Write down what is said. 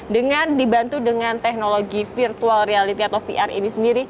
dengan dibantu dengan teknologi virtual reality atau vr ini sendiri